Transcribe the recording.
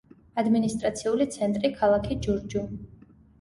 ადმინისტრაციული ცენტრი ქალაქი ჯურჯუ.